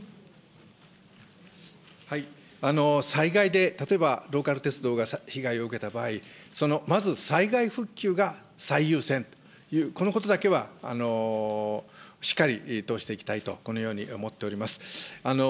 災害で、例えばローカル鉄道が被害を受けた場合、そのまず災害復旧が最優先という、このことだけはしっかりとしていきたいと、このように思っております。